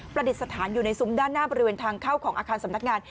ดิษฐานอยู่ในซุ้มด้านหน้าบริเวณทางเข้าของอาคารสำนักงาน